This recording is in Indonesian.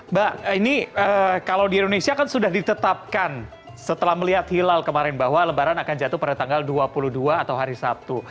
mbak ini kalau di indonesia kan sudah ditetapkan setelah melihat hilal kemarin bahwa lebaran akan jatuh pada tanggal dua puluh dua atau hari sabtu